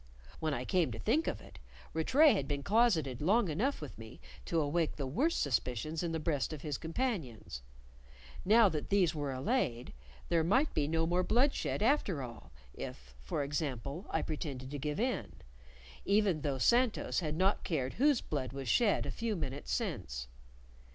When I came to think of it, Rattray had been closeted long enough with me to awake the worst suspicions in the breasts of his companions; now that these were allayed, there might be no more bloodshed after all (if, for example, I pretended to give in), even though Santos had not cared whose blood was shed a few minutes since.